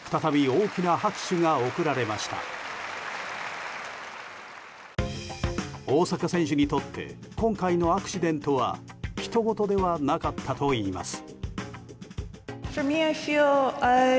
大坂選手にとって今回のアクシデントは他人事ではなかったといいます。